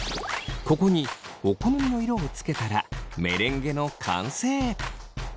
ここにお好みの色をつけたらメレンゲの完成！